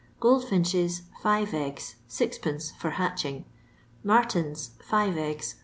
Gold finches, five eggs, M.f for hatching. Martins, fivt eggs, dd.